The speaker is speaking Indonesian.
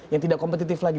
yang tidak kompetitif lagi